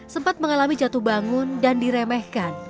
sempat mengalami jatuh bangun dan diremehkan